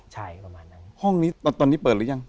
ห้องนี้ตอนนี้เปิดหรือยัง